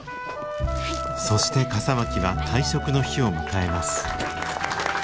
そして笠巻は退職の日を迎えます。